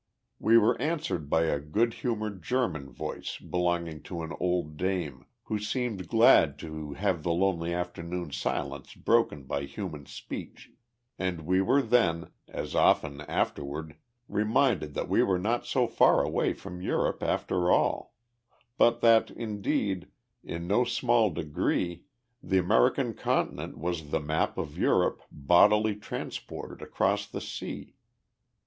We were answered by a good humoured German voice belonging to an old dame, who seemed glad to have the lonely afternoon silence broken by human speech; and we were then, as often afterward, reminded that we were not so far away from Europe, after all; but that, indeed, in no small degree the American continent was the map of Europe bodily transported across the sea.